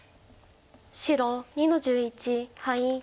白２の十一ハイ。